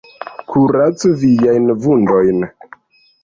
Kuracu viajn vundojn.